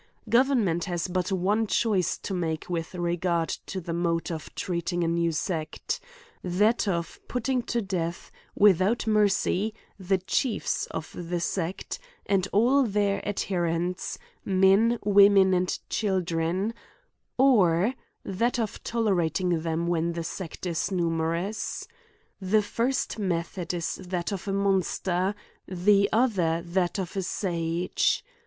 Government has but one choice to make with regard to the mode of treating a new sect ; that of putting to death, without mercy, the chiefs of the sect^ and all their adhe. rents, men, women, and children ; or, that of to lerating them when the sect is numerous. The first method is that of a monster ; the other that of a sage.